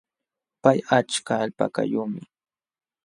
Pay achka alpakayuqmi.